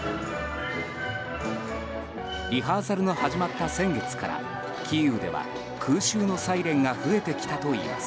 リハーサルの始まった先月からキーウでは空襲のサイレンが増えてきたといいます。